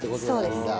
そうです。